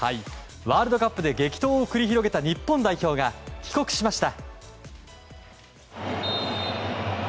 ワールドカップで激闘を繰り広げた日本代表が帰国しました。